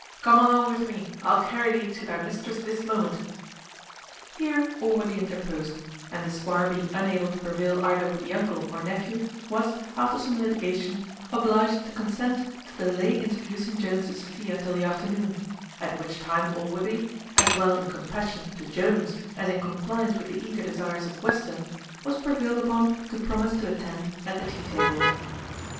Come along with me; I'll carry thee to thy mistress this moment." Here Allworthy interposed; and the squire being unable to prevail either with the uncle or nephew, was, after some litigation, obliged to consent to delay introducing Jones to Sophia till the afternoon; at which time Allworthy, as well in compassion to Jones as in compliance with the eager desires of Western, was prevailed upon to promise to attend at the tea table.